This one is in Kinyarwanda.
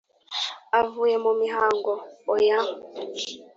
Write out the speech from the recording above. avuye mu mihango oya